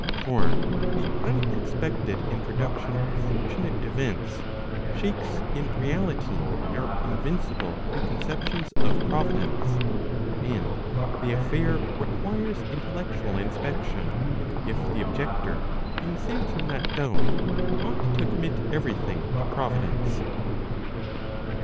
For the unexpected introduction of fortunate events, shakes in reality our invincible preconceptions of providence, and the affair requires intellectual inspection, if the objector being saved from that doubt, ought to commit every thing to providence.